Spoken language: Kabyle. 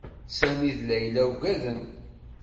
Sami d Layla uggaden.